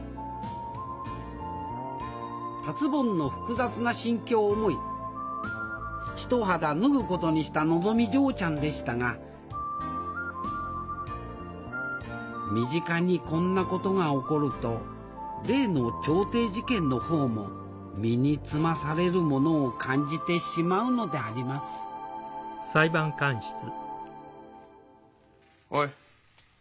達ぼんの複雑な心境を思い一肌脱ぐことにしたのぞみ嬢ちゃんでしたが身近にこんなことが起こると例の調停事件の方も身につまされるものを感じてしまうのでありますおい。